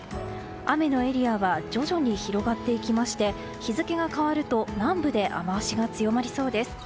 雨のエリアは徐々に広がっていきまして日付が変わると南部で雨脚が強まりそうです。